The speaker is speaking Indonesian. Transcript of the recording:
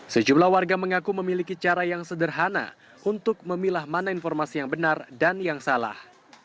sejumlah warga mengaku memiliki cara yang sederhana untuk memilah mana informasi yang benar dan yang salah